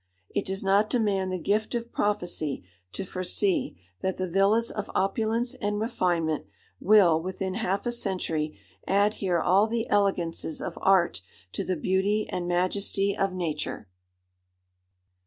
It does not demand the gift of prophecy to foresee, that the villas of opulence and refinement will, within half a century, add here all the elegances of art to the beauty and majesty of nature."